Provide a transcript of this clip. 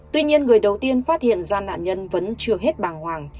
tuy nhiên người đầu tiên phát hiện ra nạn nhân vẫn chưa hết bàng hoàng